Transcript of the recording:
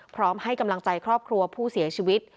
พร้อมให้กำลังใจครอบครัวผู้เสียชีวิต